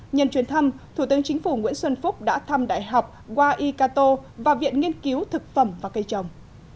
nhân chuyến thăm thủ tướng chính phủ nguyễn xuân phúc đã thăm đại học waiicato và viện nghiên cứu thực phẩm và cây trồng